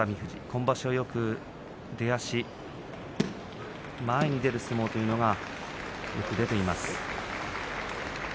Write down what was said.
今場所は出足よく前に出る相撲というのがよく出ています。